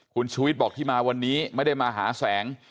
คุณชูวิทย์บอกที่มาวันนี้ไม่ได้มาหาแสง